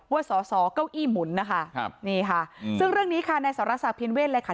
ว่าสอสอเก้าอี้หมุนนะคะครับนี่ค่ะซึ่งเรื่องนี้ค่ะในสรษักพินเวทเลยค่ะ